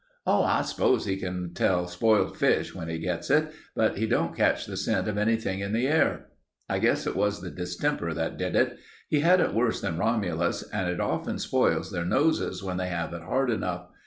"Oh, I s'pose he can tell spoiled fish when he gets it, but he don't catch the scent of anything on the air. I guess it was the distemper that did it. He had it worse than Romulus and it often spoils their noses when they have it hard enough.